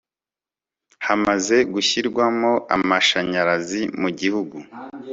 hamaze gushyirwamo amashanyarazi mugihugu